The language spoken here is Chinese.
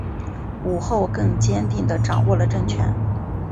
武后更坚定地掌握了政权。